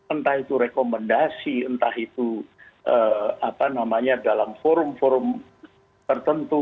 entah itu rekomendasi entah itu apa namanya dalam forum forum tertentu